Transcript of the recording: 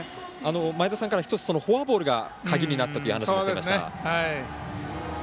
前田さんからフォアボールが鍵になったという話がされました。